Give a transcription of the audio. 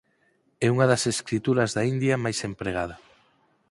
É unha das escrituras da India máis empregada.